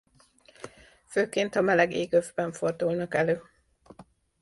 Főként a meleg égövben fordulnak elő.